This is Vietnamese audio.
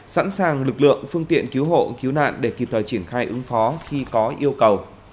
sẵn sàng lực lượng phương tiện cứu hộ cứu nạn để kịp thời triển khai ứng phó khi có yêu cầu